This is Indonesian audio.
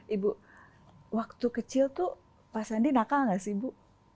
ibu waktu kecil itu pak sandi nakal nggak sih ibu